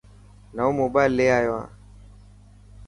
نئون موبائل لي آيو هان.